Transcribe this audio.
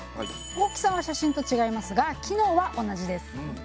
大きさは写真と違いますが機能は同じです。